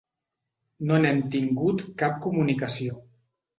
No n’hem tingut cap comunicació.